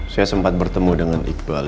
saya sempat bertemu dengan iqbal